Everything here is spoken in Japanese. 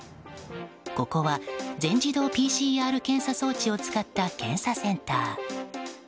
ここは全自動ＰＣＲ検査装置を使った検査センター。